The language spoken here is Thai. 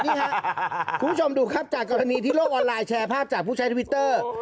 คุณผู้ชมดูครับจากกรณีที่โลกออนไลน์แชร์ภาพจากผู้ใช้ทวิตเตอร์